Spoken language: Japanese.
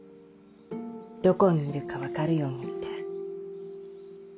どこにいるか分かるようにって。